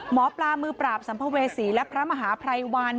หมอปลามือปราบสัมภเวษีและพระมหาภัยวัน